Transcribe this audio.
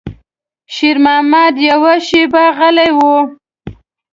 شېرمحمد يوه شېبه غلی و.